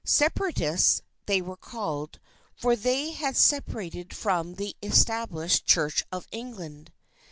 Separatists, they were called, for they had separated from the Established Church of England.